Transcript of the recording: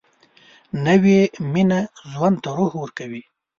نوې مینه ژوند ته روح ورکوي